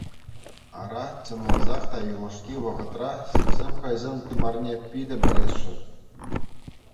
Ара, чӑнласах та юлашки вӑхӑтра ҫынсем хӑйсен тымарне питӗ пӗлесшӗн.